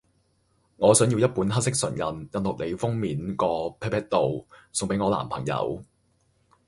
我想要一本黑色唇印，印落你封面個 pat pat 度，送俾我男朋友